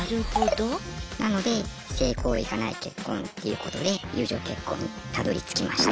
なので性行為がない結婚っていうことで友情結婚にたどりつきました。